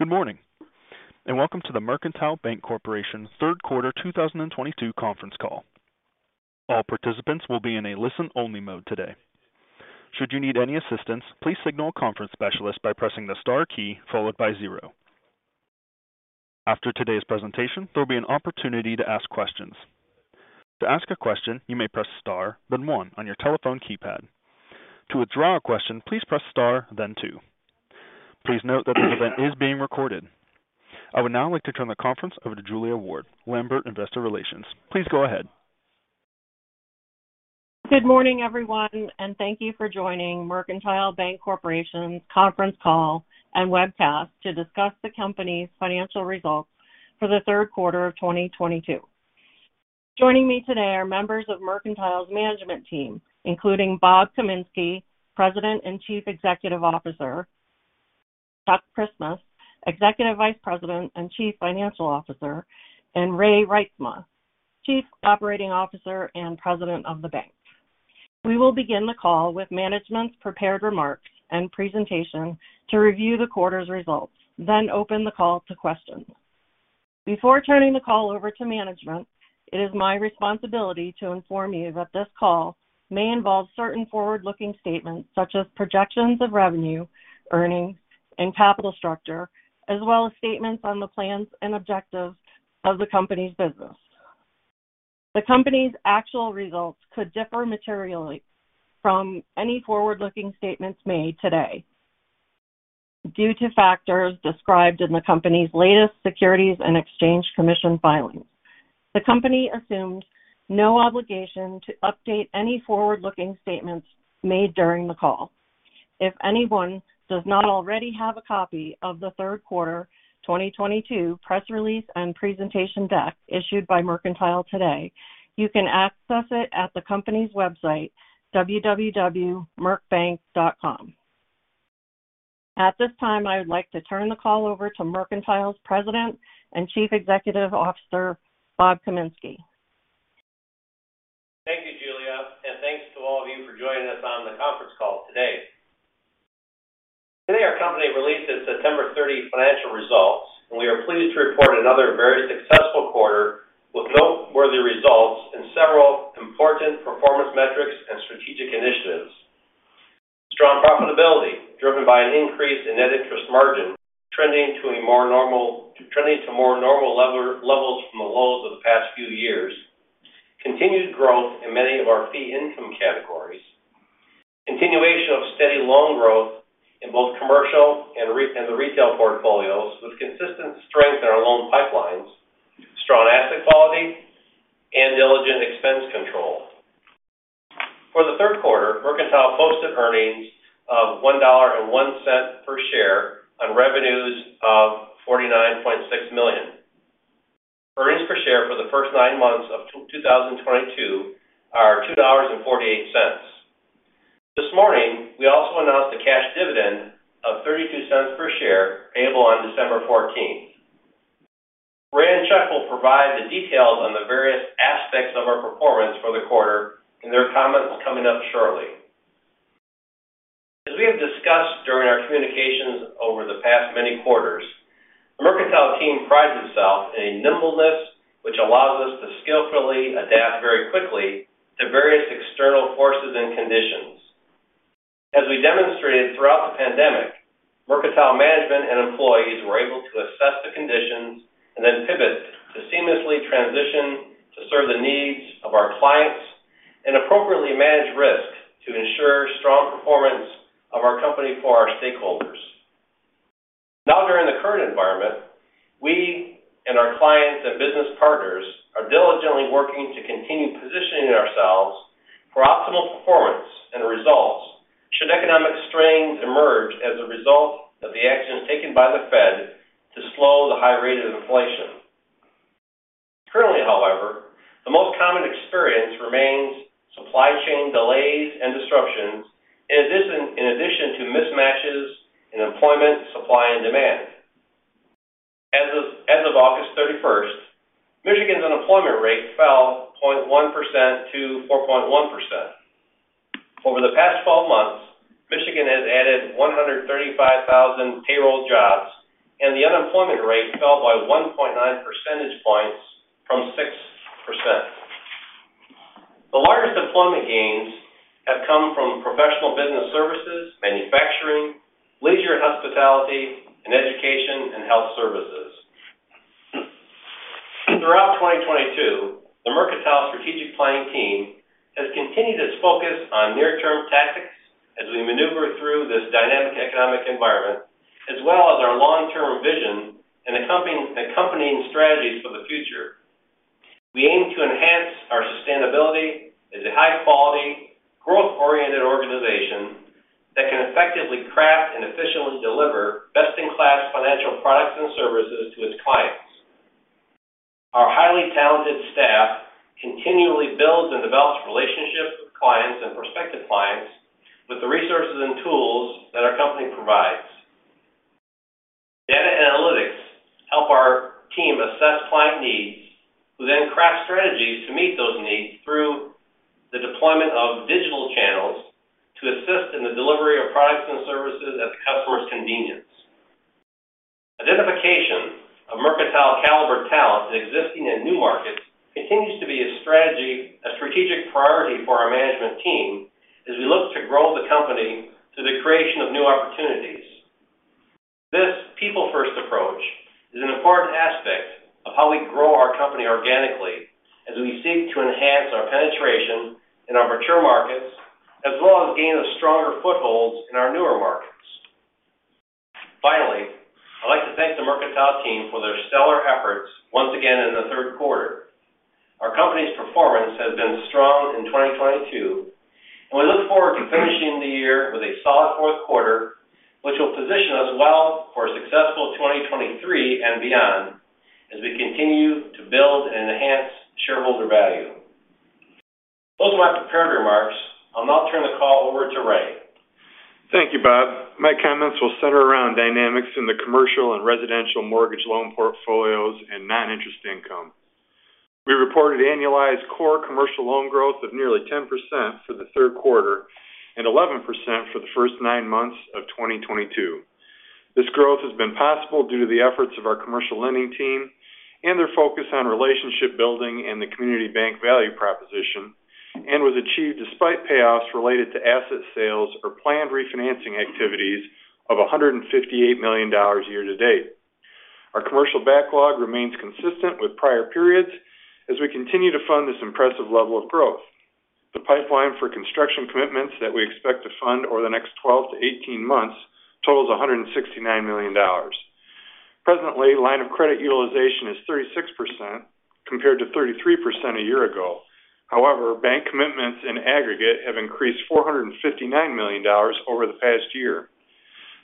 Good morning, and welcome to the Mercantile Bank Corporation third quarter 2022 conference call. All participants will be in a listen-only mode today. Should you need any assistance, please signal a conference specialist by pressing the star key followed by zero. After today's presentation, there'll be an opportunity to ask questions. To ask a question, you may press star, then one on your telephone keypad. To withdraw a question, please press star, then two. Please note that this event is being recorded. I would now like to turn the conference over to Julia Ward, Lambert Investor Relations. Please go ahead. Good morning, everyone, and thank you for joining Mercantile Bank Corporation's conference call and webcast to discuss the company's financial results for the third quarter of 2022. Joining me today are members of Mercantile's management team, including Bob Kaminski, President and Chief Executive Officer, Chuck Christmas, Executive Vice President and Chief Financial Officer, and Ray Reitsma, Chief Operating Officer and President of the bank. We will begin the call with management's prepared remarks and presentation to review the quarter's results, then open the call to questions. Before turning the call over to management, it is my responsibility to inform you that this call may involve certain forward-looking statements, such as projections of revenue, earnings, and capital structure, as well as statements on the plans and objectives of the company's business. The company's actual results could differ materially from any forward-looking statements made today due to factors described in the company's latest Securities and Exchange Commission filings. The company assumes no obligation to update any forward-looking statements made during the call. If anyone does not already have a copy of the third quarter 2022 press release and presentation deck issued by Mercantile today, you can access it at the company's website, www.mercbank.com. At this time, I would like to turn the call over to Mercantile's President and Chief Executive Officer, Bob Kaminski. Thank you, Julia, and thanks to all of you for joining us on the conference call today. Today, our company released its September 30 financial results, and we are pleased to report another very successful quarter with noteworthy results in several important performance metrics and strategic initiatives. Strong profitability driven by an increase in net interest margin, trending to more normal levels from the lows of the past few years. Continued growth in many of our fee income categories. Continuation of steady loan growth in both commercial and the retail portfolios with consistent strength in our loan pipelines. Strong asset quality and diligent expense control. For the third quarter, Mercantile posted earnings of $1.01 per share on revenues of $49.6 million. Earnings per share for the first nine months of 2022 are $2.48. This morning, we also announced a cash dividend of $0.32 per share payable on December 14th. Ray and Chuck will provide the details on the various aspects of our performance for the quarter in their comments coming up shortly. We have discussed during our communications over the past many quarters, the Mercantile team prides itself in a nimbleness which allows us to skillfully adapt very quickly to various external forces and conditions. We demonstrated throughout the pandemic, Mercantile management and employees were able to assess the conditions and then pivot to seamlessly transition to serve the needs of our clients and appropriately manage risk to ensure strong performance of our company for our stakeholders. Now, during the current environment, we and our clients, and business partners are diligently working to continue positioning ourselves for optimal performance and results should economic strains emerge as a result of the actions taken by the Fed to slow the high rate of inflation. Currently, however, the most common experience remains supply chain delays and disruptions, in addition to mismatches in employment, supply, and demand. As of August 31st, Michigan's unemployment rate fell 0.1% to 4.1%. Over the past 12 months, Michigan has added 135,000 payroll jobs, and the unemployment rate fell by 1.9 percentage points from 6%. The largest employment gains have come from professional business services, manufacturing, leisure and hospitality, and education and health services. Throughout 2022, the Mercantile strategic planning team has continued its focus on near-term tactics as we maneuver through this dynamic economic environment as well as our long-term vision and accompanying strategies for the future. We aim to enhance our sustainability as a high-quality, growth-oriented organization that can effectively craft and efficiently deliver best-in-class financial products and services to its clients. Our highly talented staff continually builds and develops relationships with clients and prospective clients with the resources and tools that our company provides. Data and analytics help our team assess client needs, who then craft and assist in the delivery of products and services at the customer's convenience. Identification of Mercantile caliber talent existing in new markets continues to be a strategy, a strategic priority for our management team as we look to grow the company through the creation of new opportunities. This people-first approach is an important aspect of how we grow our company organically as we seek to enhance our penetration in our mature markets, as well as gain a stronger footholds in our newer markets. Finally, I'd like to thank the Mercantile team for their stellar efforts once again in the third quarter. Our company's performance has been strong in 2022, and we look forward to finishing the year with a solid fourth quarter, which will position us well for a successful 2023 and beyond as we continue to build and enhance shareholder value. Those are my prepared remarks. I'll now turn the call over to Ray. Thank you, Bob. My comments will center around dynamics in the commercial and residential mortgage loan portfolios and non-interest income. We reported annualized core commercial loan growth of nearly 10% for the third quarter and 11% for the first nine months of 2022. This growth has been possible due to the efforts of our commercial lending team and their focus on relationship building and the community bank value proposition, and was achieved despite payoffs related to asset sales or planned refinancing activities of $158 million year-to-date. Our commercial backlog remains consistent with prior period as we continue to fund this impressive level of growth. The pipeline for construction commitments that we expect to fund over the next 12-18 months totals $169 million. Presently, line of credit utilization is 36% compared to 33% a year ago. However, bank commitments in aggregate have increased $459 million over the past year.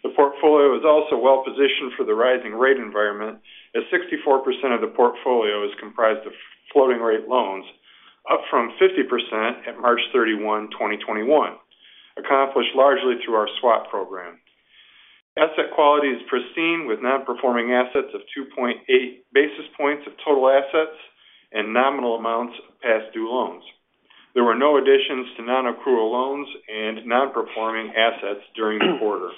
The portfolio is also well-positioned for the rising rate environment, as 64% of the portfolio is comprised of floating rate loans, up from 50% at March 31, 2021, accomplished largely through our swap program. Asset quality is pristine, with non-performing assets of 2.8 basis points of total assets and nominal amounts of past due loans. There were no additions to non-accrual loans and non-performing assets during the quarter.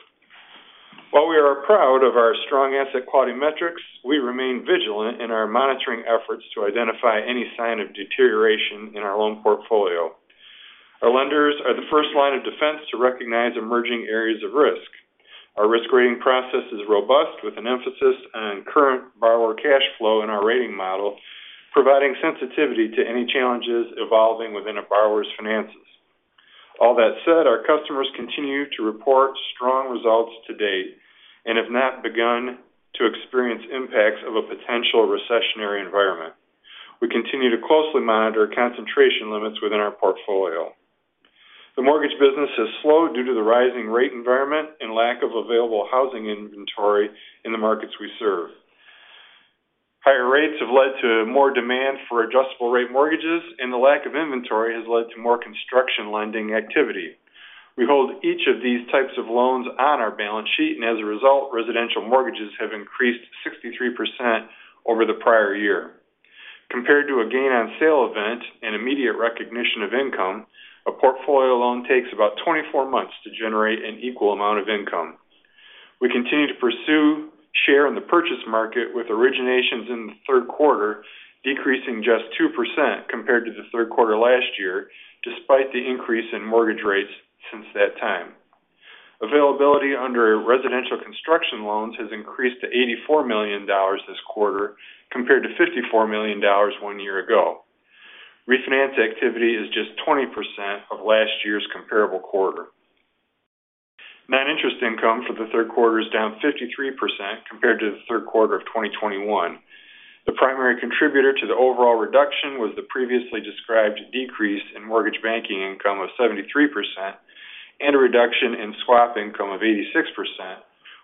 While we are proud of our strong asset quality metrics, we remain vigilant in our monitoring efforts to identify any sign of deterioration in our loan portfolio. Our lenders are the first line of defense to recognize emerging areas of risk. Our risk rating process is robust, with an emphasis on current borrower cash flow in our rating model, providing sensitivity to any challenges evolving within a borrower's finances. All that said, our customers continue to report strong results to date and have not begun to experience impacts of a potential recessionary environment. We continue to closely monitor concentration limits within our portfolio. The mortgage business has slowed due to the rising rate environment and lack of available housing inventory in the markets we serve. Higher rates have led to more demand for adjustable-rate mortgages, and the lack of inventory has led to more construction lending activity. We hold each of these types of loans on our balance sheet, and as a result, residential mortgages have increased 63% over the prior year. Compared to a gain on sale event and immediate recognition of income, a portfolio loan takes about 24 months to generate an equal amount of income. We continue to pursue share in the purchase market, with originations in the third quarter decreasing just 2% compared to the third quarter last year, despite the increase in mortgage rates since that time. Availability under residential construction loans has increased to $84 million this quarter compared to $54 million one year ago. Refinance activity is just 20% of last year's comparable quarter. Non-interest income for the third quarter is down 53% compared to the third quarter of 2021. The primary contributor to the overall reduction was the previously described decrease in mortgage banking income of 73% and a reduction in swap income of 86%,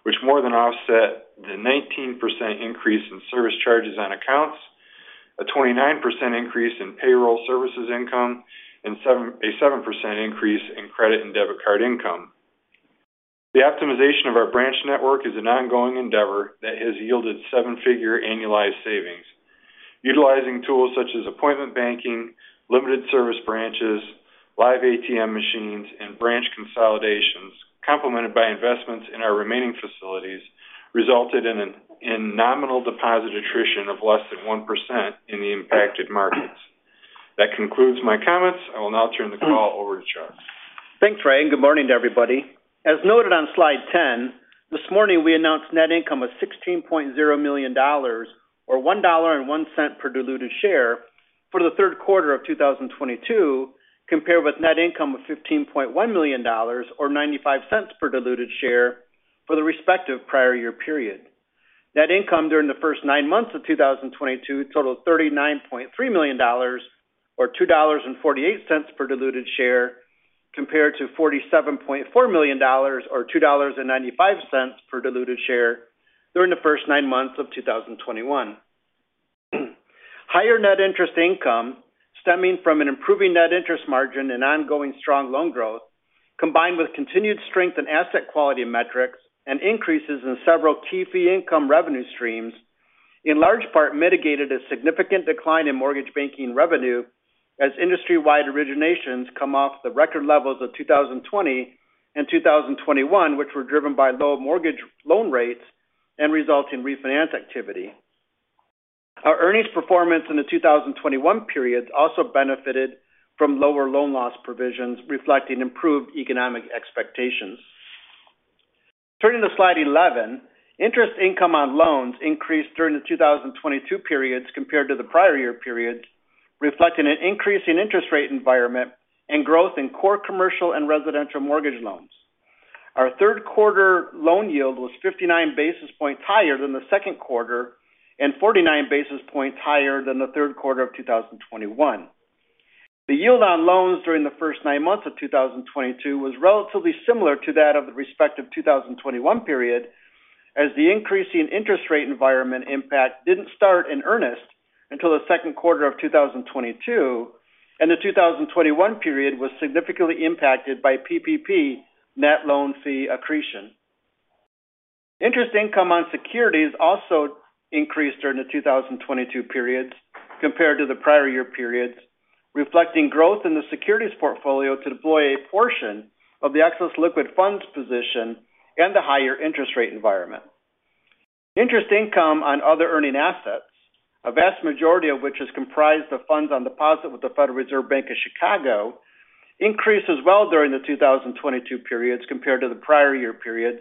which more than offset the 19% increase in service charges on accounts, a 29% increase in payroll services income, and a 7% increase in credit and debit card income. The optimization of our branch network is an ongoing endeavor that has yielded seven-figure annualized savings. Utilizing tools such as appointment banking, limited service branches, live ATM machines, and branch consolidations, complemented by investments in our remaining facilities, resulted in, in nominal deposit attrition of less than 1% in the impacted markets. That concludes my comments. I will now turn the call over to Chuck. Thanks, Ray, and good morning to everybody. As noted on slide 10, this morning we announced net income of $16.0 million or $1.01 per diluted share for the third quarter of 2022, compared with net income of $15.1 million or $0.95 per diluted share for the respective prior year period. Net income during the first nine months of 2022 totaled $39.3 million or $2.48 per diluted share, compared to $47.4 million or $2.95 per diluted share during the first nine months of 2021. Higher net interest income stemming from an improving net interest margin and ongoing strong loan growth, combined with continued strength in asset quality metrics and increases in several key fee income revenue streams. In large part mitigated a significant decline in mortgage banking revenue as industry-wide originations come off the record levels of 2020 and 2021, which were driven by low mortgage loan rates and resulting refinance activity. Our earnings performance in the 2021 period also benefited from lower loan loss provisions, reflecting improved economic expectations. Turning to slide 11. Interest income on loans increased during the 2022 period compared to the prior year period, reflecting an increase in interest rate environment and growth in core commercial and residential mortgage loans. Our third quarter loan yield was 59 basis points higher than the second quarter and 49 basis points higher than the third quarter of 2021. The yield on loans during the first nine months of 2022 was relatively similar to that of the respective 2021 period, as the increase in interest rate environment impact didn't start in earnest until the second quarter of 2022, and the 2021 period was significantly impacted by PPP net loan fee accretion. Interest income on securities also increased during the 2022 period compared to the prior year period, reflecting growth in the securities portfolio to deploy a portion of the excess liquid funds position and the higher interest rate environment. Interest income on other earning assets, a vast majority of which is comprised of funds on deposit with the Federal Reserve Bank of Chicago, increased as well during the 2022 period compared to the prior year period,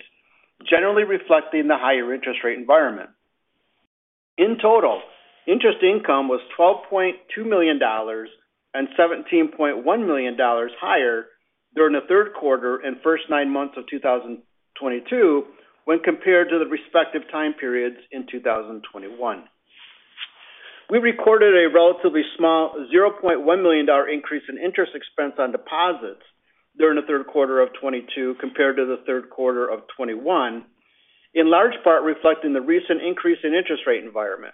generally reflecting the higher interest rate environment. In total, interest income was $12.2 million and $17.1 million higher during the third quarter and first nine months of 2022 when compared to the respective time period in 2021. We recorded a relatively small $0.1 million increase in interest expense on deposits during the third quarter of 2022 compared to the third quarter of 2021, in large part reflecting the recent increase in interest rate environment.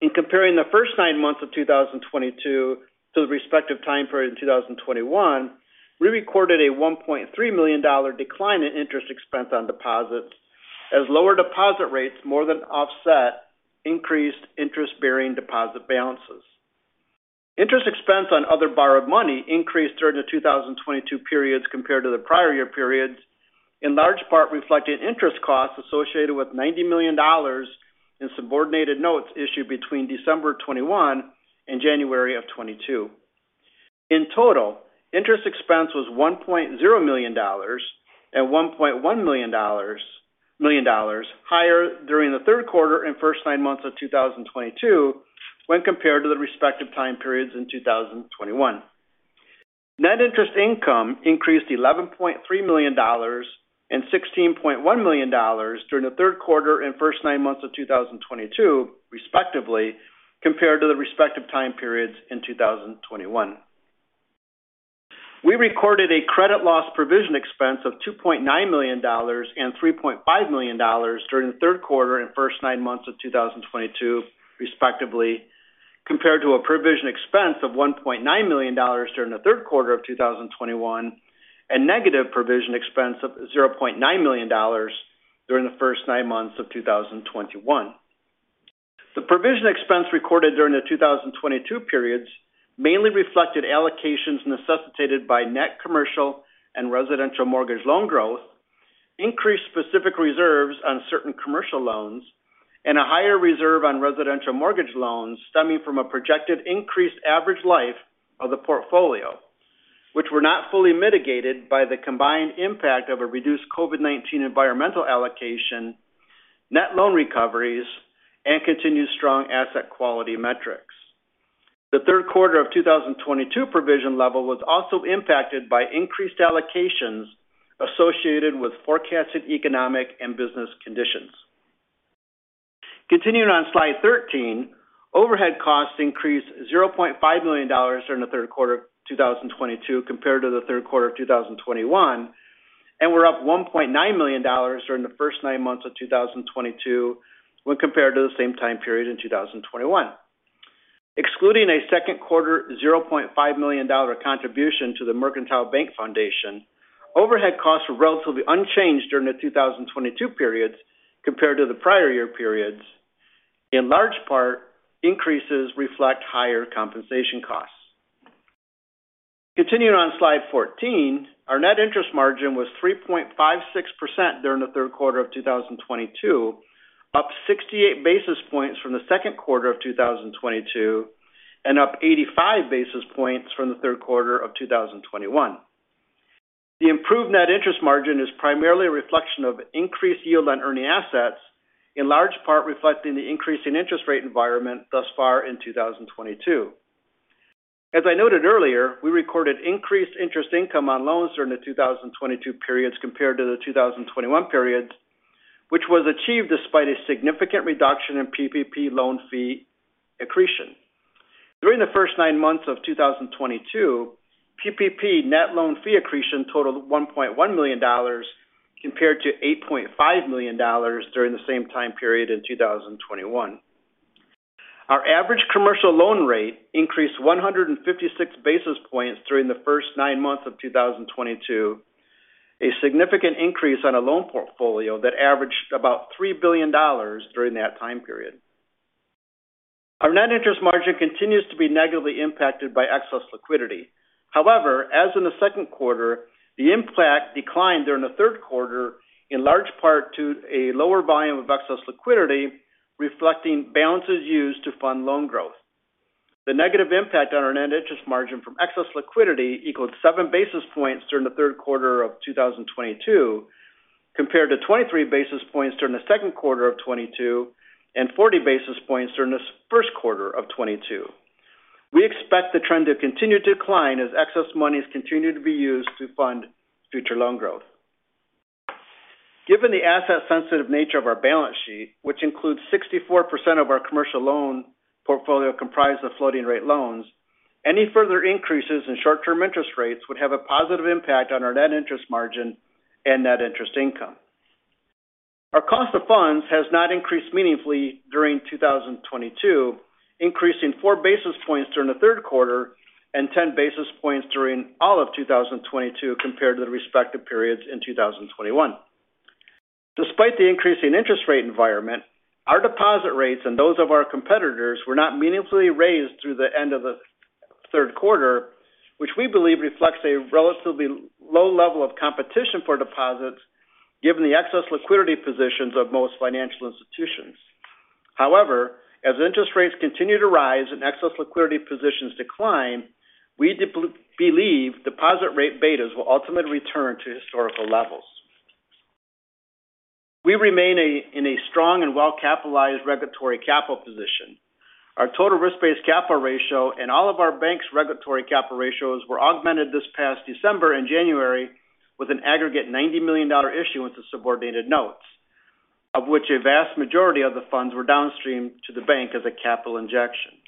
In comparing the first nine months of 2022 to the respective time period in 2021, we recorded a $1.3 million decline in interest expense on deposits as lower deposit rates more than offset increased interest-bearing deposit balances. Interest expense on other borrowed money increased during the 2022 period compared to the prior year period, in large part reflecting interest costs associated with $90 million in subordinated notes issued between December 2021 and January 2022. In total, interest expense was $1.0 million and $1.1 million higher during the third quarter and first nine months of 2022 when compared to the respective time period in 2021. Net interest income increased $11.3 million and $16.1 million during the third quarter and first nine months of 2022, respectively, compared to the respective time period in 2021. We recorded a credit loss provision expense of $2.9 million and $3.5 million during the third quarter and first nine months of 2022, respectively, compared to a provision expense of $1.9 million during the third quarter of 2021 and a negative provision expense of $0.9 million during the first nine months of 2021. The provision expense recorded during the 2022 period mainly reflected allocations necessitated by net commercial and residential mortgage loan growth, increased specific reserves on certain commercial loans, and a higher reserve on residential mortgage loans stemming from a projected increased average life of the portfolio, which were not fully mitigated by the combined impact of a reduced COVID-19 environmental allocation, net loan recoveries, and continued strong asset quality metrics. The third quarter of 2022 provision level was also impacted by increased allocations associated with forecasted economic and business conditions. Continuing on slide 13. Overhead costs increased $0.5 million during the third quarter of 2022 compared to the third quarter of 2021, and were up $1.9 million during the first nine months of 2022 when compared to the same time period in 2021. Excluding a second quarter $0.5 million contribution to the Mercantile Bank Foundation, overhead costs were relatively unchanged during the 2022 period compared to the prior year period. In large part, increases reflect higher compensation costs. Continuing on slide 14. Our net interest margin was 3.56% during the third quarter of 2022, up 68 basis points from the second quarter of 2022, and up 85 basis points from the third quarter of 2021. The improved net interest margin is primarily a reflection of increased yield on earning assets, in large part reflecting the increase in interest rate environment thus far in 2022. As I noted earlier, we recorded increased interest income on loans during the 2022 period compared to the 2021 period, which was achieved despite a significant reduction in PPP loan fee accretion. During the first nine months of 2022, PPP net loan fee accretion totaled $1.1 million compared to $8.5 million during the same time period in 2021. Our average commercial loan rate increased 156 basis points during the first nine months of 2022, a significant increase on a loan portfolio that averaged about $3 billion during that time period. Our net interest margin continues to be negatively impacted by excess liquidity. However, as in the second quarter, the impact declined during the third quarter, in large part to a lower volume of excess liquidity, reflecting balances used to fund loan growth. The negative impact on our net interest margin from excess liquidity equaled 7 basis points during the third quarter of 2022, compared to 23 basis points during the second quarter of 2022 and 40 basis points during the first quarter of 2022. We expect the trend to continue to decline as excess monies continue to be used to fund future loan growth. Given the asset-sensitive nature of our balance sheet, which includes 64% of our commercial loan portfolio comprised of floating-rate loans, any further increases in short-term interest rates would have a positive impact on our net interest margin and net interest income. Our cost of funds has not increased meaningfully during 2022, increasing four basis points during the third quarter and ten basis points during all of 2022 compared to the respective period in 2021. Despite the increase in interest rate environment, our deposit rates and those of our competitors were not meaningfully raised through the end of the third quarter, which we believe reflects a relatively low level of competition for deposits given the excess liquidity positions of most financial institutions. However, as interest rates continue to rise and excess liquidity positions decline, we disbelieve deposit rate betas will ultimately return to historical levels. We remain in a strong and well-capitalized regulatory capital position. Our total risk-based capital ratio and all of our bank's regulatory capital ratios were augmented this past December and January with an aggregate $90 million issuance of subordinated notes, of which a vast majority of the funds were downstreamed to the bank as a capital injection.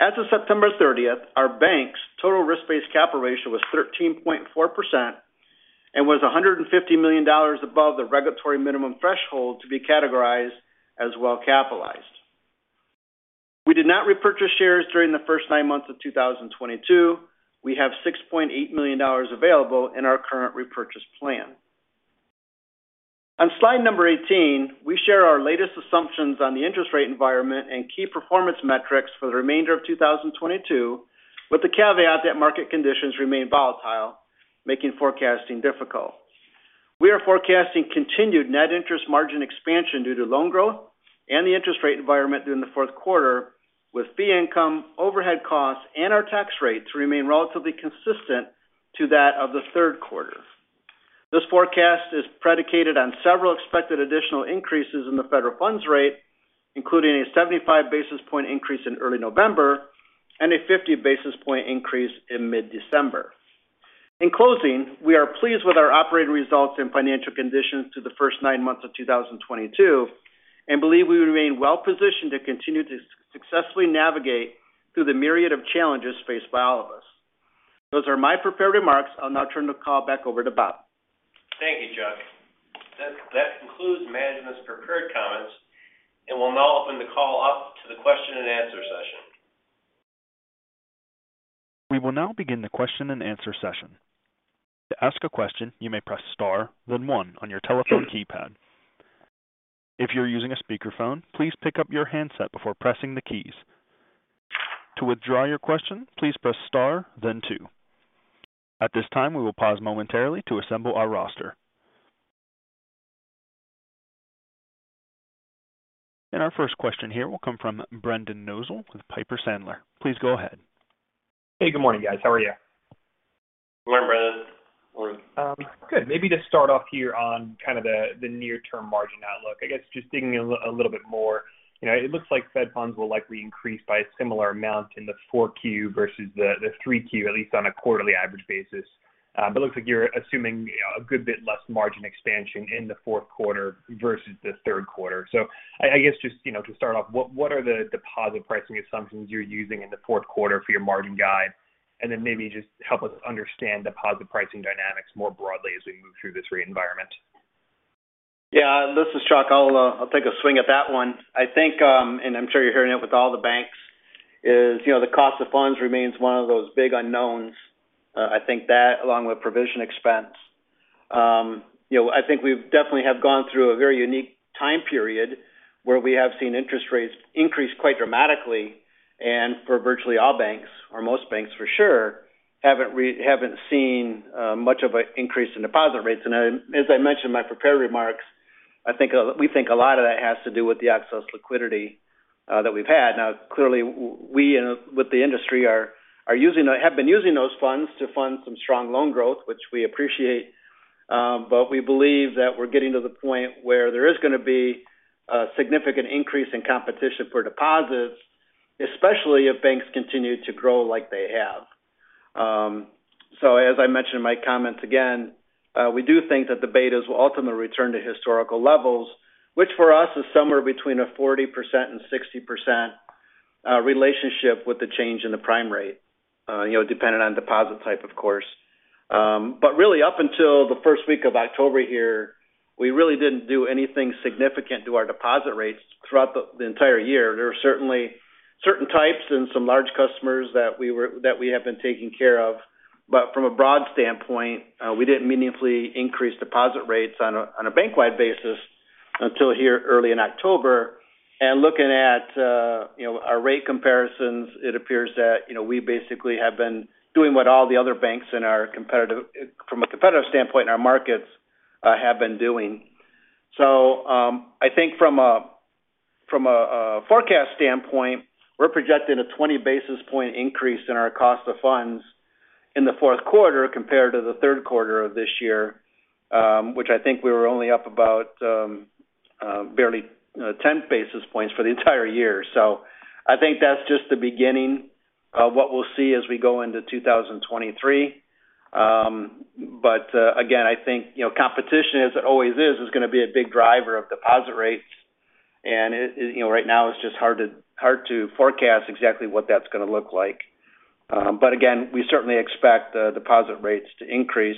As of September 30th, our bank's total risk-based capital ratio was 13.4% and was $150 million above the regulatory minimum threshold to be categorized as well-capitalized. We did not repurchase shares during the first nine months of 2022. We have $6.8 million available in our current repurchase plan. On slide number 18, we share our latest assumptions on the interest rate environment and key performance metrics for the remainder of 2022, with the caveat that market conditions remain volatile, making forecasting difficult. We are forecasting continued net interest margin expansion due to loan growth and the interest rate environment during the fourth quarter with fee income, overhead costs, and our tax rates remain relatively consistent to that of the third quarter. This forecast is predicated on several expected additional increases in the federal funds rate, including a 75 basis point increase in early November and a 50 basis point increase in mid-December. In closing, we are pleased with our operating results and financial conditions through the first nine months of 2022, and believe we remain well-positioned to continue to successfully navigate through the myriad of challenges faced by all of us. Those are my prepared remarks. I'll now turn the call back over to Bob. Thank you, Chuck. That concludes management's prepared comments, and we'll now open the call up to the question-and-answer session. We will now begin the question-and-answer session. To ask a question, you may press Star, then one on your telephone keypad. If you're using a speakerphone, please pick up your handset before pressing the keys. To withdraw your question, please press star then two. At this time, we will pause momentarily to assemble our roster. Our first question here will come from Brendan Nosal with Piper Sandler. Please go ahead. Hey, good morning, guys. How are you? Good morning, Brendan. How are you? Good. Maybe just start off here on kind of the near-term margin outlook. I guess just digging a little bit more. You know, it looks like Fed funds will likely increase by a similar amount in the 4Q versus the 3Q, at least on a quarterly average basis. But looks like you're assuming a good bit less margin expansion in the fourth quarter versus the third quarter. I guess just, you know, to start off, what are the deposit pricing assumptions you're using in the fourth quarter for your margin guide? And then maybe just help us understand deposit pricing dynamics more broadly as we move through this rate environment. Yeah. This is Chuck. I'll take a swing at that one. I think, and I'm sure you're hearing it with all the banks, you know, the cost of funds remains one of those big unknowns. I think that along with provision expense. You know, I think we've definitely have gone through a very unique time period where we have seen interest rates increase quite dramatically. For virtually all banks, or most banks for sure, haven't seen much of an increase in deposit rates. As I mentioned in my prepared remarks, we think a lot of that has to do with the excess liquidity that we've had. Now, clearly, we and with the industry have been using those funds to fund some strong loan growth, which we appreciate. We believe that we're getting to the point where there is gonna be a significant increase in competition for deposits, especially if banks continue to grow like they have. As I mentioned in my comments, again, we do think that the betas will ultimately return to historical levels, which for us is somewhere between 40% and 60%, relationship with the change in the prime rate. You know, dependent on deposit type, of course. Really, up until the first week of October here, we really didn't do anything significant to our deposit rates throughout the entire year. There were certainly certain types and some large customers that we have been taking care of. From a broad standpoint, we didn't meaningfully increase deposit rates on a bank-wide basis until here early in October. Looking at, you know, our rate comparisons, it appears that, you know, we basically have been doing what all the other banks from a competitive standpoint in our markets have been doing. I think from a forecast standpoint, we're projecting a 20 basis point increase in our cost of funds in the fourth quarter compared to the third quarter of this year, which I think we were only up about barely 10 basis points for the entire year. I think that's just the beginning of what we'll see as we go into 2023. Again, I think, you know, competition, as it always is gonna be a big driver of deposit rates. If you know right now, it's just hard to forecast exactly what that's gonna look like. Again, we certainly expect the deposit rates to increase.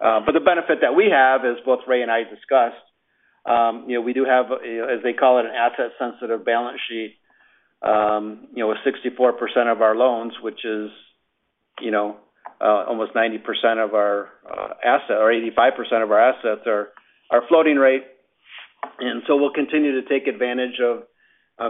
The benefit that we have is both Ray and I discussed. You know we do have, you know as they call it an asset-sensitive balance sheet, you know, with 64% of our loans, which is you know, almost 90% of our assets, or 85% of our assets are floating rate. We'll continue to take advantage of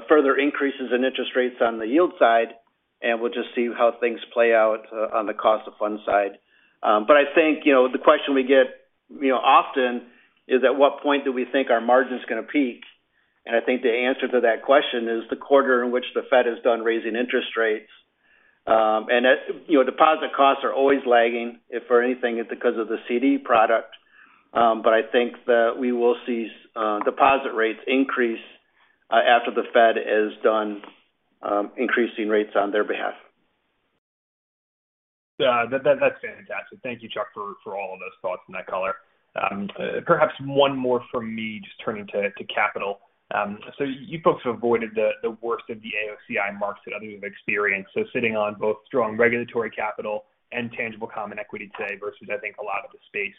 further increases in interest rates on the yield side, and we'll just see how things play out on the cost of funds side. I think you know the question we get you know often is at what point do we think our margin's gonna peak? I think the answer to that question is the quarter in which the Fed is done raising interest rates. You know, deposit costs are always lagging, if for anything, it's because of the CD product. I think that we will see deposit rates increase after the Fed is done increasing rates on their behalf. Yeah, that's fantastic. Thank you, Chuck, for all of those thoughts and that color. Perhaps one more from me, just turning to capital. You folks have avoided the worst of the AOCI marks that others have experienced. Sitting on both strong regulatory capital and tangible common equity today versus, I think, a lot of the space.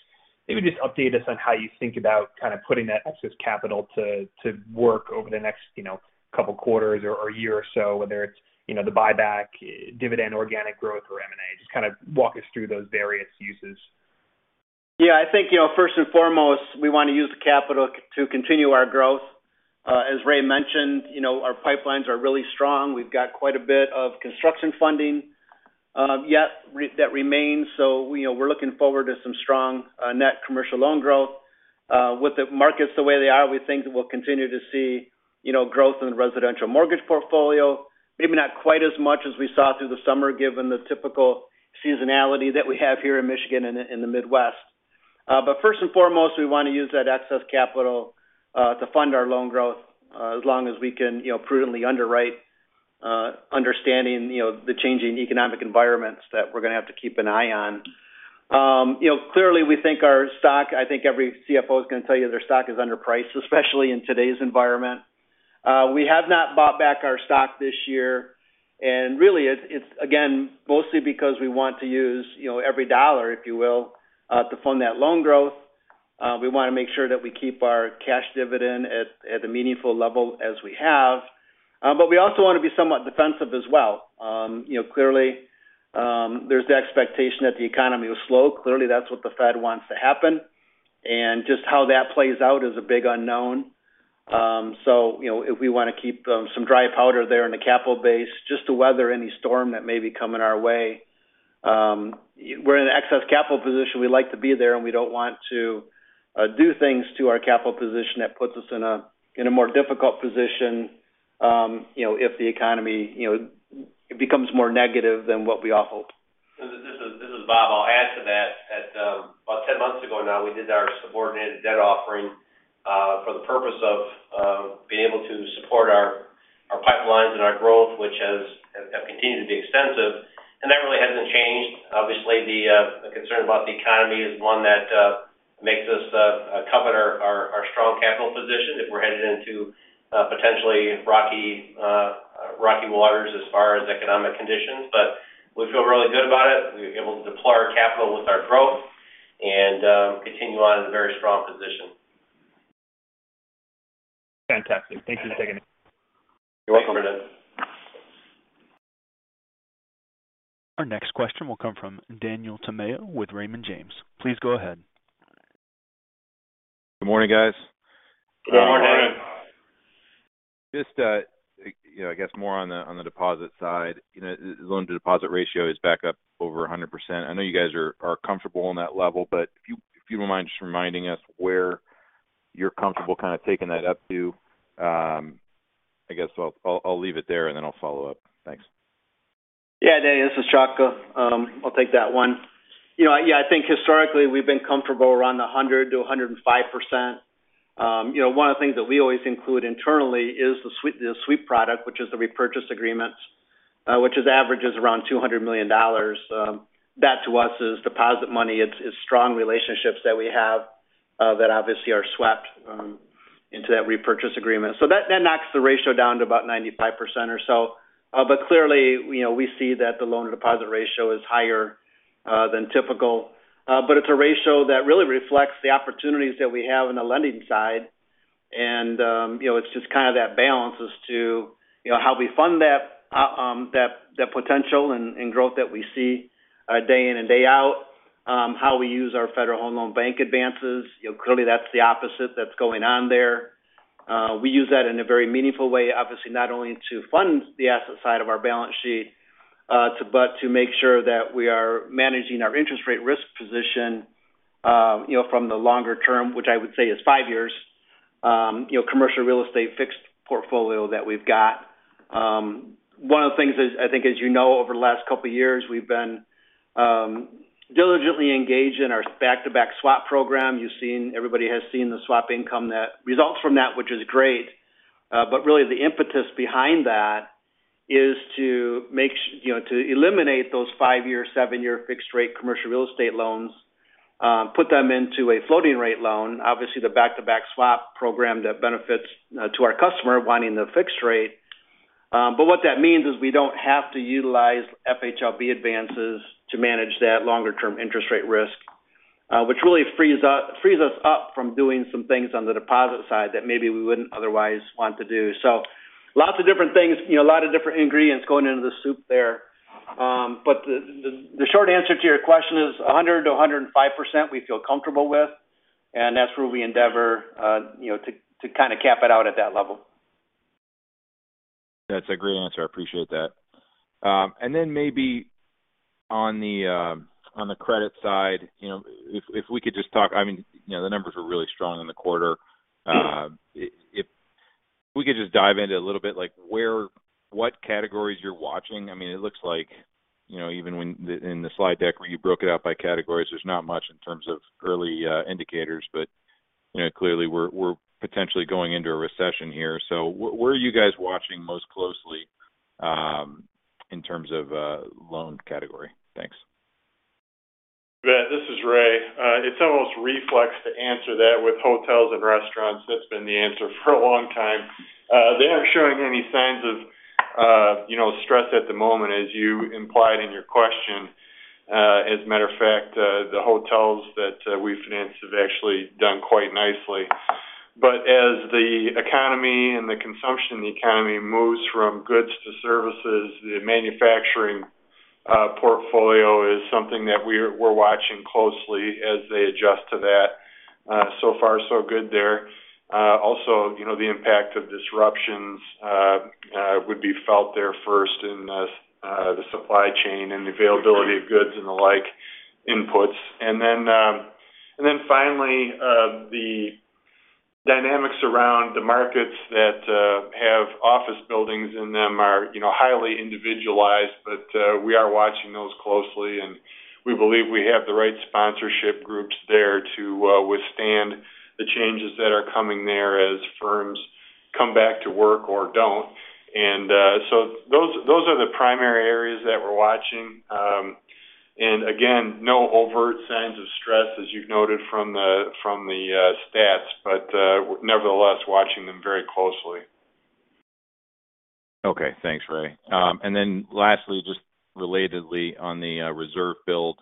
Maybe just update us on how you think about kind of putting that excess capital to work over the next, you know, couple quarters or year or so, whether it's, you know, the buyback dividend, organic growth or M&A. Just kind of walk us through those various uses. Yeah, I think, you know, first and foremost, we wanna use the capital to continue our growth. As Ray mentioned, you know, our pipelines are really strong. We've got quite a bit of construction funding that remains. We’re looking forward to some strong net commercial loan growth. With the markets the way they are, we think that we'll continue to see, you know, growth in the residential mortgage portfolio. Maybe not quite as much as we saw through the summer, given the typical seasonality that we have here in Michigan and in the Midwest. First and foremost, we wanna use that excess capital to fund our loan growth as long as we can, you know, prudently underwrite, understanding, you know, the changing economic environments that we're gonna have to keep an eye on. You know, clearly we think our stock, I think every CFO is gonna tell you their stock is underpriced, especially in today's environment. We have not bought back our stock this year. Really, it's again, mostly because we want to use, you know, every dollar, if you will, to fund that loan growth. We wanna make sure that we keep our cash dividend at the meaningful level as we have. We also wanna be somewhat defensive as well. You know, clearly, there's the expectation that the economy will slow. Clearly, that's what the Fed wants to happen. Just how that plays out is a big unknown. You know, if we wanna keep some dry powder there in the capital base just to weather any storm that may be coming our way. We're in an excess capital position. We like to be there, and we don't want to do things to our capital position that puts us in a more difficult position, you know, if the economy, you know, it becomes more negative than what we all hope. This is Bob. I'll add to that. At about 10 months ago now, we did our subordinated debt offering for the purpose of being able to support our pipelines and our growth, which have continued to be extensive. That really hasn't changed. Obviously, the concern about the economy is one that makes us covet our strong capital position if we're headed into potentially rocky waters as far as economic conditions. We feel really good about it. We're able to deploy our capital with our growth and continue on in a very strong position. Fantastic. Thank you for taking it. You're welcome. Thanks, Brendan. Our next question will come from Daniel Tamayo with Raymond James. Please go ahead. Good morning, guys. Good morning. Good morning. Just, you know, I guess more on the deposit side. You know, loan to deposit ratio is back up over 100%. I know you guys are comfortable on that level, but if you don't mind just reminding us where you're comfortable kind of taking that up to. I guess I'll leave it there, and then I'll follow up. Thanks. Yeah. Danny, this is Chuck. I'll take that one. You know, yeah, I think historically we've been comfortable around 100%-105%. You know, one of the things that we always include internally is the sweep product, which is the repurchase agreements, which averages around $200 million. That to us is deposit money. It's strong relationships that we have, that obviously are swept into that repurchase agreement. That knocks the ratio down to about 95% or so. Clearly, you know, we see that the loan-to-deposit ratio is higher than typical. It's a ratio that really reflects the opportunities that we have on the lending side. You know, it's just kind of that balance as to, you know, how we fund that potential and growth that we see day in and day out. How we use our Federal Home Loan Bank advances. You know, clearly that's the opposite that's going on there. We use that in a very meaningful way, obviously, not only to fund the asset side of our balance sheet but to make sure that we are managing our interest rate risk position, you know, from the longer term, which I would say is five years, you know, commercial real estate fixed portfolio that we've got. One of the things is, I think as you know, over the last couple of years, we've been diligently engaged in our back-to-back swap program. You've seen, everybody has seen the swap income that results from that, which is great. Really, the impetus behind that is you know, to eliminate those five-year, seven-year fixed-rate commercial real estate loans, put them into a floating-rate loan. Obviously, the back-to-back swap program that benefits our customer wanting the fixed-rate. What that means is we don't have to utilize FHLB advances to manage that longer-term interest rate risk, which really frees us up from doing some things on the deposit side that maybe we wouldn't otherwise want to do. Lots of different things, you know, a lot of different ingredients going into the soup there. The short answer to your question is 100%-105% we feel comfortable with, and that's where we endeavor, you know, to kind of cap it out at that level. That's a great answer. I appreciate that. Maybe on the credit side, you know, if we could just talk. I mean, you know, the numbers are really strong in the quarter. If we could just dive into it a little bit, like what categories you're watching. I mean, it looks like, you know, in the slide deck where you broke it out by categories, there's not much in terms of early indicators. You know, clearly we're potentially going into a recession here. What are you guys watching most closely in terms of loan category? Thanks. Danny, this is Ray. It's almost reflex to answer that with hotels and restaurants. That's been the answer for a long time. They aren't showing any signs of, you know, stress at the moment, as you implied in your question. As a matter of fact, the hotels that we financed have actually done quite nicely. As the economy and the consumption of the economy moves from goods to services, the manufacturing portfolio is something that we're watching closely as they adjust to that. So far, so good there. Also, you know, the impact of disruptions would be felt there first in the supply chain and the availability of goods and the like inputs. Finally, the dynamics around the markets that have office buildings in them are, you know, highly individualized, but we are watching those closely, and we believe we have the right sponsorship groups there to withstand the changes that are coming there as firms come back to work or don't. Those are the primary areas that we're watching. Again, no overt signs of stress, as you've noted from the stats, but we're nevertheless watching them very closely. Okay. Thanks, Ray. Lastly, just relatedly, on the reserve build,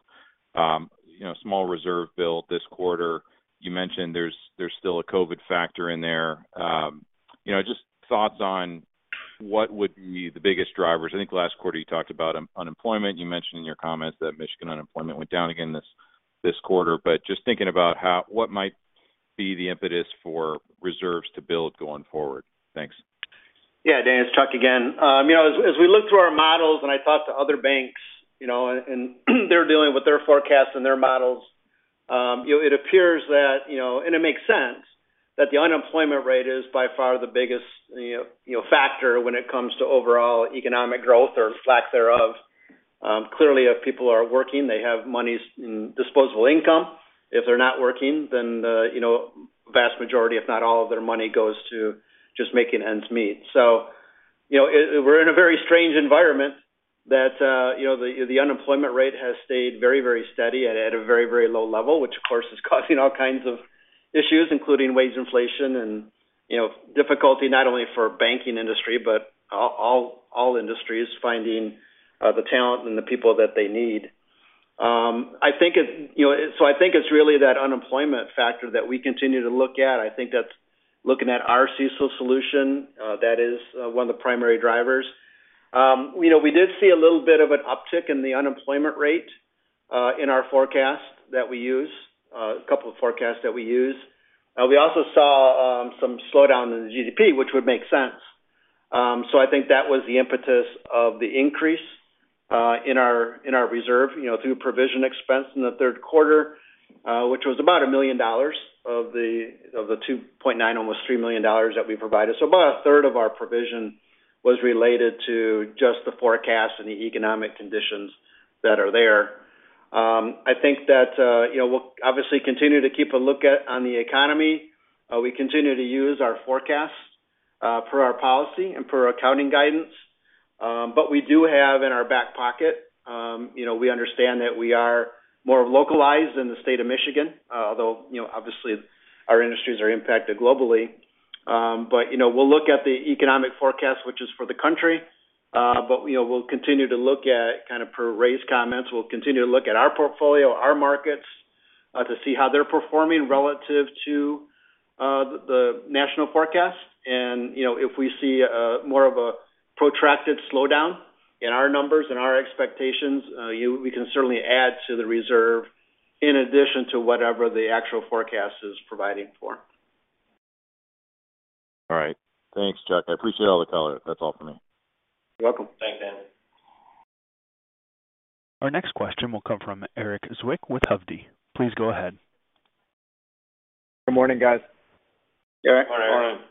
you know, small reserve build this quarter. You mentioned there's still a COVID factor in there. You know, just thoughts on what would be the biggest drivers. I think last quarter you talked about unemployment. You mentioned in your comments that Michigan unemployment went down again this quarter. Just thinking about what might be the impetus for reserves to build going forward. Thanks. Yeah, Dan, it's Chuck again. You know, as we look through our models and I talk to other banks, you know, and they're dealing with their forecasts and their models, you know, it appears that, you know, and it makes sense that the unemployment rate is by far the biggest, you know, factor when it comes to overall economic growth or lack thereof. Clearly, if people are working, they have money in disposable income. If they're not working, then the, you know, vast majority, if not all of their money, goes to just making ends meet. You know, we're in a very strange environment that the unemployment rate has stayed very steady at a very low level, which of course is causing all kinds of issues, including wage inflation and, you know, difficulty not only for banking industry, but all industries finding the talent and the people that they need. I think it's really that unemployment factor that we continue to look at. I think that's looking at our CECL solution that is one of the primary drivers. You know, we did see a little bit of an uptick in the unemployment rate in our forecast that we use, a couple of forecasts that we use. We also saw some slowdown in the GDP, which would make sense. I think that was the impetus of the increase in our reserve, you know, through provision expense in the third quarter, which was about $1 million of the $2.9 million, almost $3 million that we provided. About a third of our provision was related to just the forecast and the economic conditions that are there. I think that, you know, we'll obviously continue to keep a lookout on the economy. We continue to use our forecasts, per our policy and per accounting guidance. We do have in our back pocket, you know, we understand that we are more localized in the state of Michigan, although, you know, obviously, our industries are impacted globally. You know, we'll look at the economic forecast, which is for the country. You know, we'll continue to look at kind of per Ray's comments. We'll continue to look at our portfolio, our markets, to see how they're performing relative to the national forecast. You know, if we see more of a protracted slowdown in our numbers and our expectations, we can certainly add to the reserve in addition to whatever the actual forecast is providing for. All right. Thanks, Chuck. I appreciate all the color. That's all for me. You're welcome. Thanks, Danny. Our next question will come from Erik Zwick with Hovde. Please go ahead. Good morning, guys. Erik. Morning.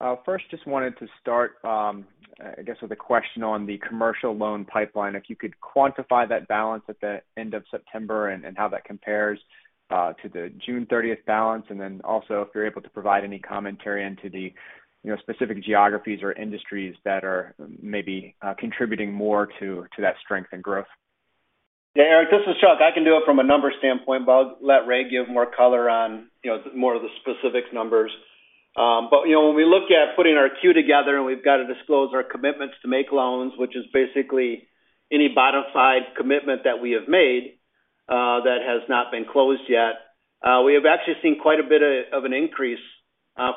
Morning. First, just wanted to start, I guess, with a question on the commercial loan pipeline. If you could quantify that balance at the end of September and how that compares to the June 30th balance. Then also if you're able to provide any commentary into the, you know, specific geographies or industries that are maybe contributing more to that strength and growth. Yeah, Erik, this is Chuck. I can do it from a numbers standpoint, but I'll let Ray give more color on, you know, more of the specific numbers. You know, when we look at putting our Q together, and we've got to disclose our commitments to make loans, which is basically any bona fide commitment that we have made, that has not been closed yet. We have actually seen quite a bit of an increase,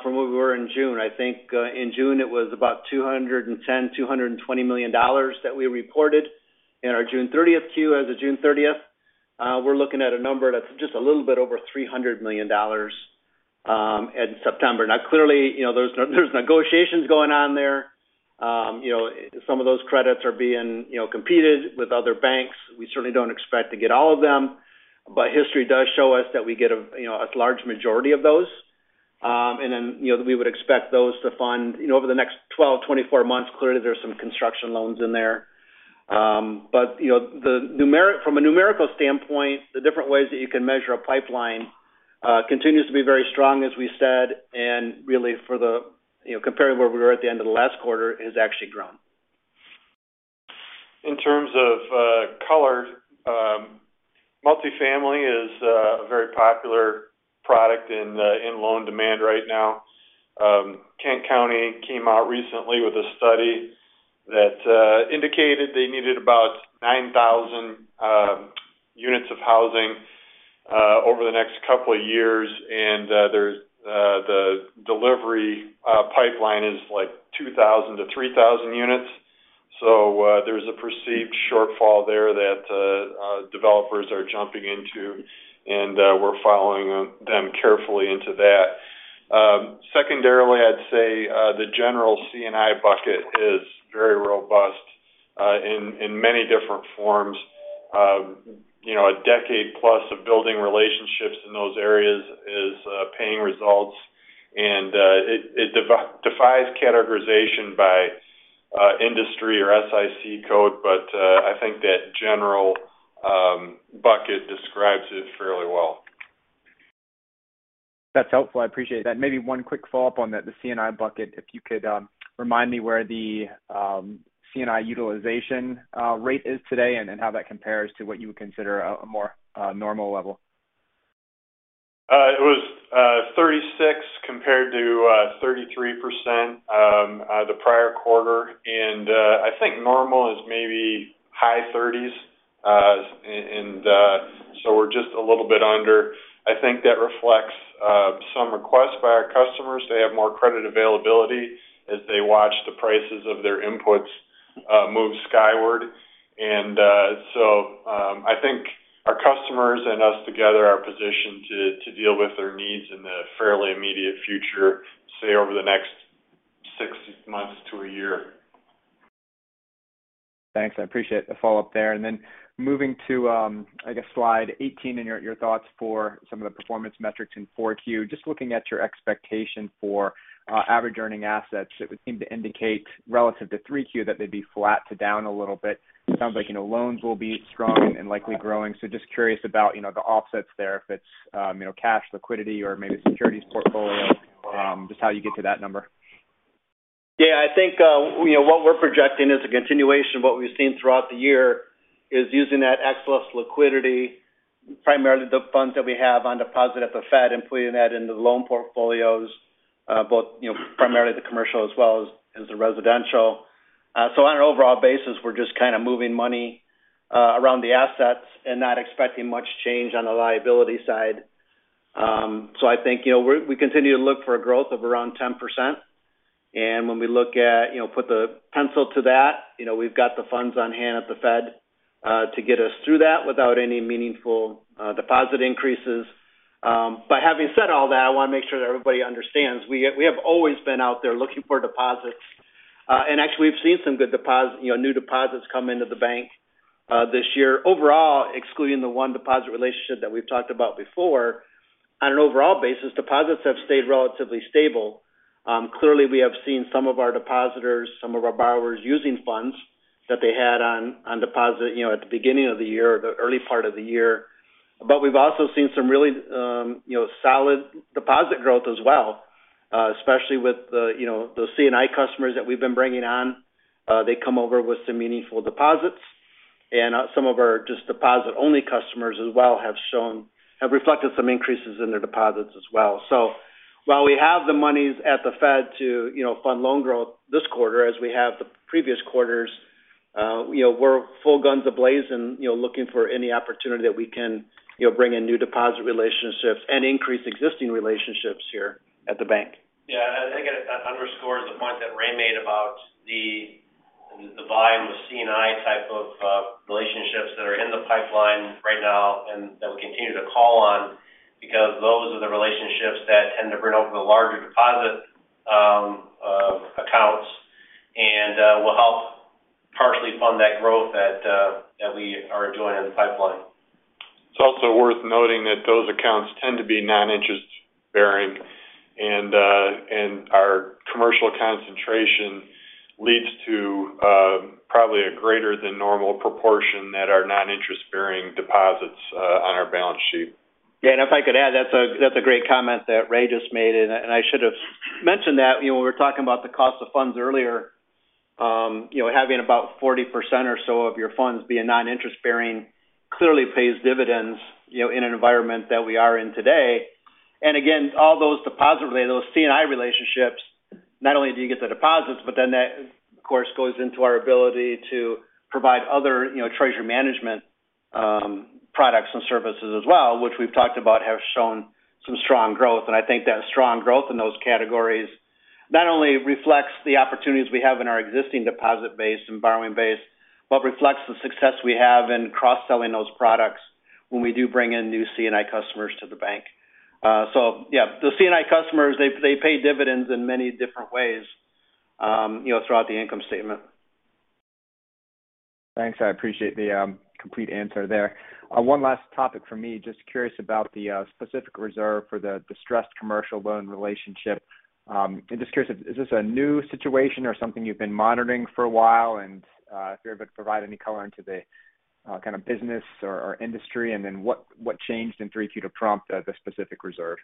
from where we were in June. I think, in June it was about $210-$220 million that we reported in our June 30th Q. As of June 30th, we're looking at a number that's just a little bit over $300 million, in September. Now, clearly, you know, there's negotiations going on there. You know, some of those credits are being, you know, competed with other banks. We certainly don't expect to get all of them. History does show us that we get a, you know, a large majority of those. You know, we would expect those to fund, you know, over the next 12, 24 months. Clearly, there's some construction loans in there. You know, from a numerical standpoint, the different ways that you can measure a pipeline continues to be very strong, as we said, and really for the, you know, comparing where we were at the end of the last quarter, has actually grown. In terms of color, multifamily is a very popular product in loan demand right now. Kent County came out recently with a study that indicated they needed about 9,000 units of housing over the next couple of years. There's the delivery pipeline is like 2,000-3,000 units. There's a perceived shortfall there that developers are jumping into, and we're following them carefully into that. Secondarily, I'd say the general C&I bucket is very robust in many different forms. You know, a decade plus of building relationships in those areas is paying results. It defies categorization by industry or SIC code, but I think that general bucket describes it fairly well. That's helpful. I appreciate that. Maybe one quick follow-up on that, the C&I bucket, if you could remind me where the C&I utilization rate is today, and then how that compares to what you would consider a more normal level. It was 36% compared to 33% the prior quarter. I think normal is maybe high 30s. We're just a little bit under. I think that reflects some requests by our customers. They have more credit availability as they watch the prices of their inputs move skyward. I think our customers and us together are positioned to deal with their needs in the fairly immediate future, say, over the next six months to a year. Thanks. I appreciate the follow-up there. Moving to, I guess, slide 18 and your thoughts for some of the performance metrics in 4Q. Just looking at your expectation for average earning assets, it would seem to indicate relative to 3Q that they'd be flat to down a little bit. It sounds like, you know, loans will be strong and likely growing. Just curious about, you know, the offsets there, if it's, you know, cash liquidity or maybe securities portfolio, just how you get to that number. Yeah, I think, you know, what we're projecting is a continuation of what we've seen throughout the year, is using that excess liquidity, primarily the funds that we have on deposit at the Fed and putting that into the loan portfolios, both, you know, primarily the commercial as well as the residential. So on an overall basis, we're just kind of moving money, around the assets and not expecting much change on the liability side. So I think, you know, we continue to look for a growth of around 10%. When we look at, you know, put the pencil to that, you know, we've got the funds on hand at the Fed, to get us through that without any meaningful, deposit increases. Having said all that, I want to make sure that everybody understands we have always been out there looking for deposits. Actually, we've seen some good deposit, you know, new deposits come into the bank this year. Overall, excluding the one deposit relationship that we've talked about before, on an overall basis, deposits have stayed relatively stable. Clearly, we have seen some of our depositors, some of our borrowers using funds that they had on deposit, you know, at the beginning of the year or the early part of the year. We've also seen some really, you know, solid deposit growth as well, especially with the, you know, the C&I customers that we've been bringing on. They come over with some meaningful deposits. Some of our just deposit-only customers as well have reflected some increases in their deposits as well. While we have the monies at the Fed to, you know, fund loan growth this quarter as we have the previous quarters, you know, we're full guns ablaze and, you know, looking for any opportunity that we can, you know, bring in new deposit relationships and increase existing relationships here at the bank. Yeah. I think that underscores the point that Ray made about the buy and the C&I type of relationships that are in the pipeline right now, and that we continue to call on because those are the relationships that tend to bring over the larger deposit accounts and will help partially fund that growth that we are doing in the pipeline. It's also worth noting that those accounts tend to be non-interest-bearing. Our commercial concentration leads to probably a greater than normal proportion that are non-interest-bearing deposits on our balance sheet. Yeah. If I could add, that's a great comment that Ray just made, and I should have mentioned that. You know, when we were talking about the cost of funds earlier, you know, having about 40% or so of your funds being non-interest-bearing clearly pays dividends, you know, in an environment that we are in today. Again, all those C&I relationships, not only do you get the deposits, but then that, of course, goes into our ability to provide other, you know, treasury management products and services as well, which we've talked about have shown some strong growth. I think that strong growth in those categories not only reflects the opportunities we have in our existing deposit base and borrowing base, but reflects the success we have in cross-selling those products when we do bring in new C&I customers to the bank. Yeah, the C&I customers, they pay dividends in many different ways, you know, throughout the income statement. Thanks. I appreciate the complete answer there. One last topic for me. Just curious about the specific reserve for the distressed commercial loan relationship. Just curious if this is a new situation or something you've been monitoring for a while? If you're able to provide any color into the kind of business or industry, and then what changed in 3Q to prompt the specific reserve?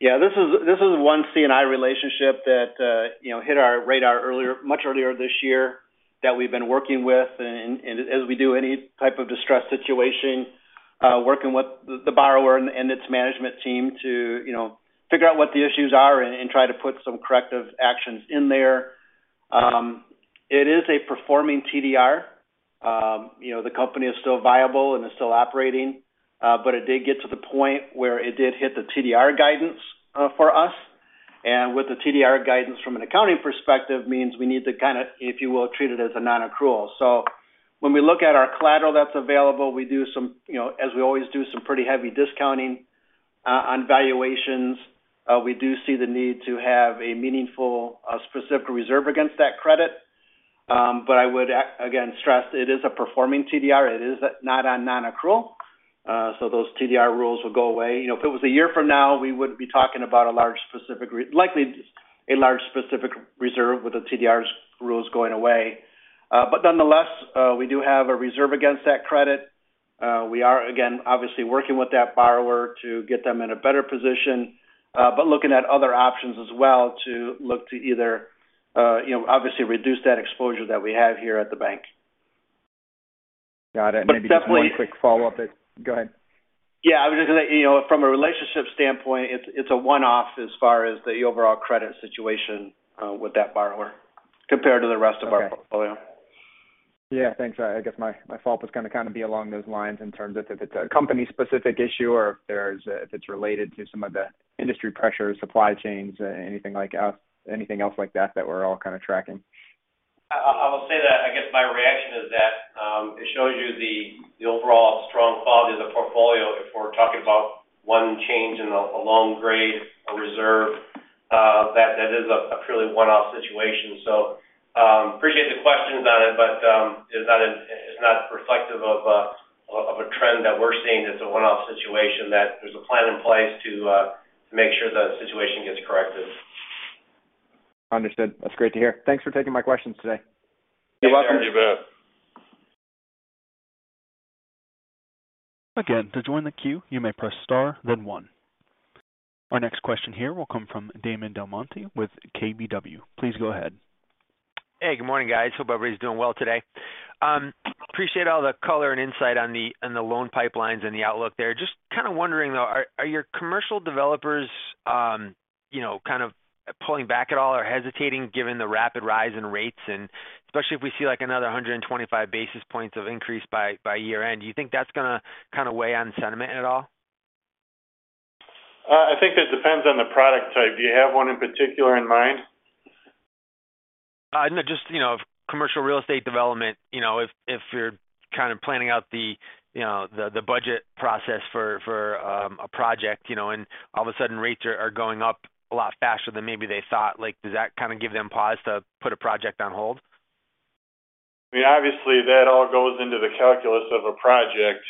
Yeah. This is one C&I relationship that, you know, hit our radar earlier, much earlier this year, that we've been working with. As we do any type of distressed situation, working with the borrower and its management team to, you know, figure out what the issues are and try to put some corrective actions in there. It is a performing TDR. You know, the company is still viable and is still operating. But it did get to the point where it did hit the TDR guidance for us. With the TDR guidance from an accounting perspective means we need to kind of, if you will, treat it as a non-accrual. When we look at our collateral that's available, we do some, you know, as we always do, some pretty heavy discounting on valuations. We do see the need to have a meaningful, specific reserve against that credit. I would again stress it is a performing TDR. It is not a non-accrual. Those TDR rules will go away. You know, if it was a year from now, we wouldn't be talking about likely a large specific reserve with the TDRs rules going away. Nonetheless, we do have a reserve against that credit. We are again, obviously working with that borrower to get them in a better position, but looking at other options as well to look to either, you know, obviously reduce that exposure that we have here at the bank. Got it. Definitely. Maybe just one quick follow-up. Go ahead. Yeah. I was just gonna say, you know, from a relationship standpoint, it's a one-off as far as the overall credit situation with that borrower compared to the rest of our portfolio. Yeah. Thanks. I guess my follow-up was gonna kind of be along those lines in terms of if it's a company-specific issue or if there's if it's related to some of the industry pressures, supply chains, anything like anything else like that that we're all kind of tracking. I will say that I guess my reaction is that it shows you the overall strong quality of the portfolio if we're talking about one change in a loan grade, a reserve, that is a purely one-off situation. Appreciate the questions on it, but it's not reflective of a trend that we're seeing. It's a one-off situation that there's a plan in place to make sure the situation gets corrected. Understood. That's great to hear. Thanks for taking my questions today. You're welcome. You bet. Again, to join the queue, you may press star then One. Our next question here will come from Damon DelMonte with KBW. Please go ahead. Hey, good morning, guys. Hope everybody's doing well today. Appreciate all the color and insight on the loan pipelines and the outlook there. Just kind of wondering, though, are your commercial developers kind of pulling back at all or hesitating given the rapid rise in rates, and especially if we see like another 125 basis points of increase by year-end? Do you think that's gonna kind of weigh on sentiment at all? I think it depends on the product type. Do you have one in particular in mind? No, just, you know, commercial real estate development. You know, if you're kind of planning out the budget process for a project, you know, and all of a sudden, rates are going up a lot faster than maybe they thought. Like, does that kind of give them pause to put a project on hold? I mean, obviously, that all goes into the calculus of a project.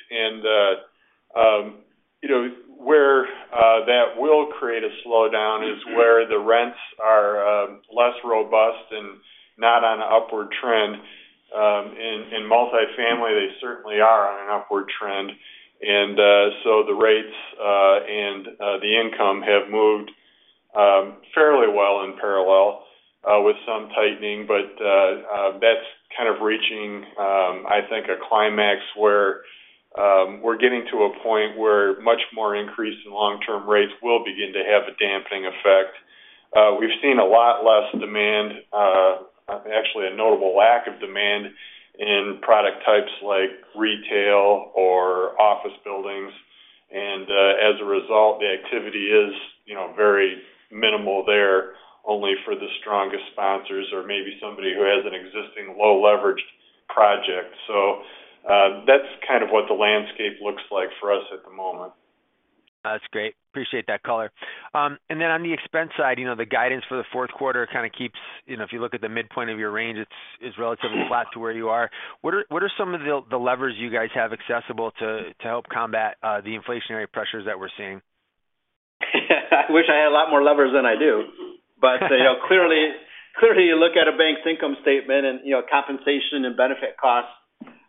You know, where The slowdown is where the rents are less robust and not on an upward trend. In multifamily, they certainly are on an upward trend. The rates and the income have moved fairly well in parallel, with some tightening. That's kind of reaching, I think, a climax where we're getting to a point where much more increase in long-term rates will begin to have a damping effect. We've seen a lot less demand, actually a notable lack of demand in product types like retail or office buildings. As a result, the activity is, you know, very minimal there, only for the strongest sponsors or maybe somebody who has an existing low-leverage project. That's kind of what the landscape looks like for us at the moment. That's great. Appreciate that color. On the expense side, you know, the guidance for the fourth quarter kind of keeps. You know, if you look at the midpoint of your range, it's relatively flat to where you are. What are some of the levers you guys have accessible to help combat the inflationary pressures that we're seeing? I wish I had a lot more levers than I do. You know, clearly, you look at a bank's income statement and, you know, compensation and benefit costs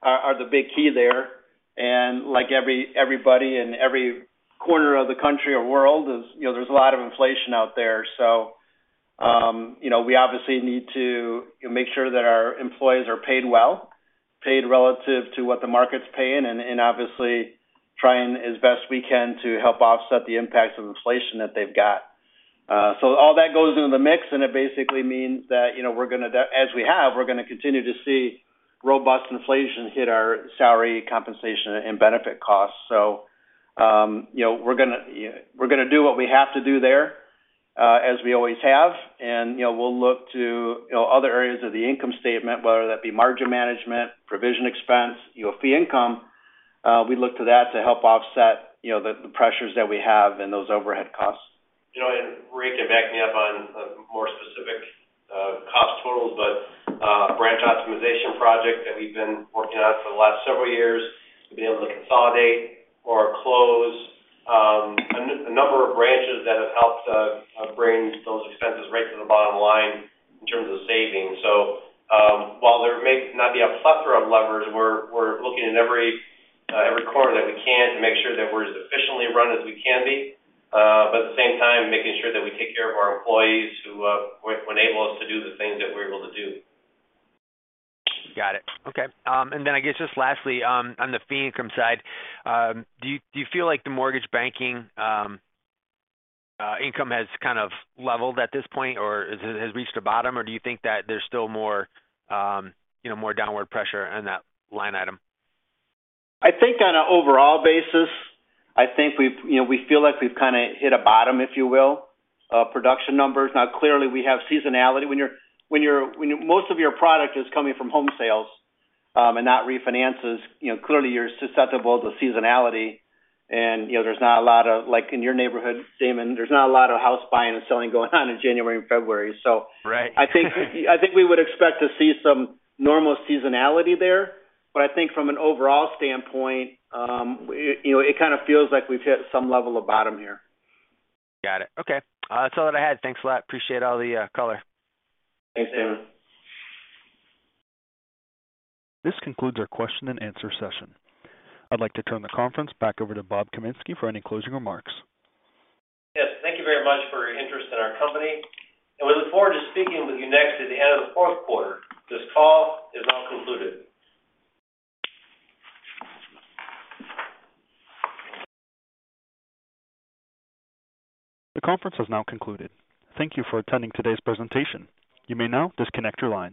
are the big key there. Like everybody in every corner of the country or world is, you know, there's a lot of inflation out there. You know, we obviously need to, you know, make sure that our employees are paid well, paid relative to what the market's paying, and obviously, trying as best we can to help offset the impacts of inflation that they've got. All that goes into the mix, and it basically means that, you know, we're gonna, as we have, we're gonna continue to see robust inflation hit our salary compensation and benefit costs. We're gonna do what we have to do there, as we always have. You know, we'll look to, you know, other areas of the income statement, whether that be margin management, provision expense, you know, fee income. We look to that to help offset, you know, the pressures that we have and those overhead costs. You know, Ray can back me up on more specific cost totals, but branch optimization project that we've been working on for the last several years, we've been able to consolidate or close a number of branches that have helped bring those expenses right to the bottom line in terms of savings. While there may not be a plethora of levers, we're looking in every corner that we can to make sure that we're as efficiently run as we can be. At the same time, making sure that we take care of our employees who enable us to do the things that we're able to do. Got it. Okay. I guess just lastly, on the fee income side, do you feel like the mortgage banking income has kind of leveled at this point, or is it has reached a bottom? Or do you think that there's still more, you know, more downward pressure on that line item? I think on an overall basis, I think we've you know, we feel like we've kinda hit a bottom, if you will. Production numbers. Now, clearly, we have seasonality. When most of your product is coming from home sales and not refinances, you know, clearly you're susceptible to seasonality and, you know, there's not a lot of, like in your neighborhood, Damon, there's not a lot of house buying and selling going on in January and February, so Right. I think we would expect to see some normal seasonality there. I think from an overall standpoint, you know, it kind of feels like we've hit some level of bottom here. Got it. Okay. That's all that I had. Thanks a lot. Appreciate all the color. Thanks, Damon. This concludes our question-and-answer session. I'd like to turn the conference back over to Bob Kaminski for any closing remarks. Yes, thank you very much for your interest in our company, and we look forward to speaking with you next at the end of the fourth quarter. This call is now concluded. The conference has now concluded. Thank you for attending today's presentation. You may now disconnect your line.